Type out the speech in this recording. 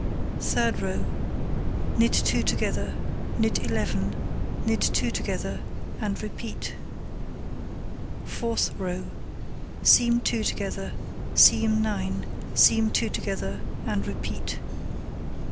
Third row: Knit 2 together, knit 11, knit 2 together, and repeat. Fourth row: Seam 2 together, seam 9, seam 2 together, and repeat.